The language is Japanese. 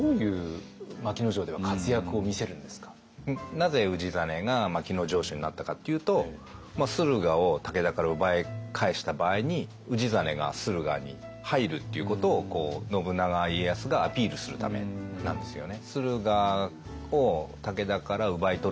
なぜ氏真が牧野城主になったかっていうと駿河を武田から奪い返した場合に氏真が駿河に入るっていうことを信長家康がアピールするためなんですよね。